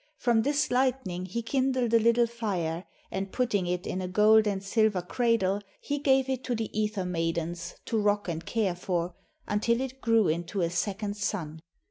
From this lightning he kindled a little fire, and putting it in a gold and silver cradle, he gave it to the Ether maidens to rock and care for, until it grew into a second Sun.